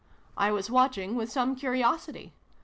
I was watching with some curiosity.